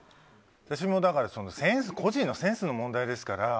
私も個人のセンスの問題ですから。